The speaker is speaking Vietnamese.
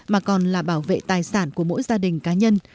mà còn là bảo vệ tài sản của mỗi gia đình cá nhân